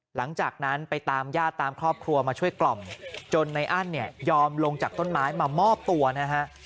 หลังจากนั้นไปตามญาติตามครอบครัวมาช่วยกล่อมจนในอั้นเนี่ยยอมลงจากต้นไม้มามอบตัวนะฮะ